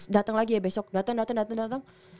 dateng lagi ya besok dateng dateng dateng